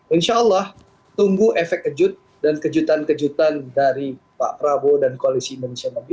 insya allah tunggu efek kejut dan kejutan kejutan dari pak prabowo dan koalisi indonesia maju